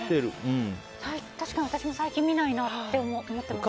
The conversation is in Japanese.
確かに私も最近見ないなって思っていました。